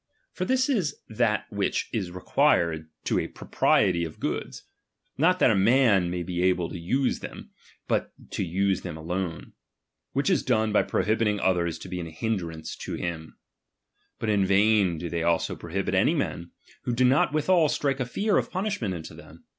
For this is that which is required to a propriety of goods ; not that a man may be able to use them, bnt to use them alone ; which is done by prohibiting chap. xiv. others to be an hinderance to him. Bat in vain "~ do they also prohibit any men, who do not withal strike a fear of punishment into them.